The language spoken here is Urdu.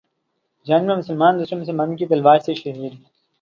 جنگ میں مسلمان دوسرے مسلمانوں کی تلواروں سے شہید